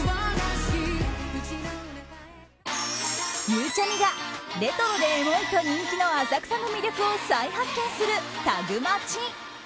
ゆうちゃみがレトロでエモいと人気の浅草の魅力を再発見するタグマチ。